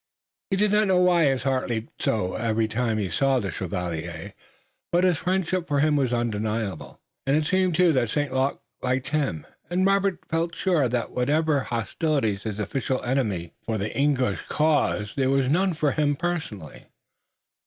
He did not know why his heart leaped so every time he saw the chevalier, but his friendship for him was undeniable. It seemed too that St. Luc liked him, and Robert felt sure that whatever hostility his official enemy felt for the English cause there was none for him personally.